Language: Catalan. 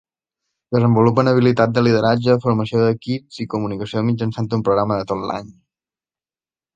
Desenvolupen habilitats de lideratge, formació d'equips i comunicació mitjançant un programa de tot l'any.